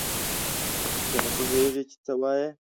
ته نه پوهېږې چې څه وایې.